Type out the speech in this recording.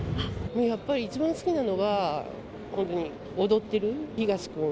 やっぱり一番好きなのは、踊ってるヒガシ君。